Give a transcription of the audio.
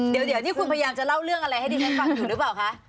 เดี๋ยวนี่คุณพยายามจะเล่าเรื่องอะไรให้ดิฉันฟังอยู่หรือเปล่าคะ